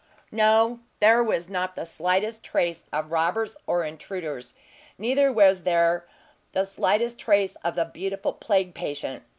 No, though there was not the slightest trace of robbers or intruders, neither was there the slightest trace of the beautiful plague patient.